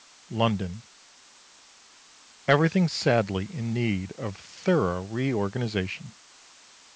London. Everything sadly in need of thorough reorganisation.